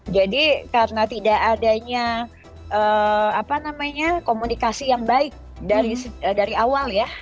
jadi karena tidak adanya apa namanya komunikasi yang baik dari awal ya